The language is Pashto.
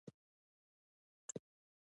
نن مې د کور پخلنځي شیلفونه برابر کړل.